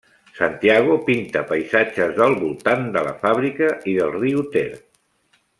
Santiago pinta paisatges del voltant de la fàbrica i del riu Ter.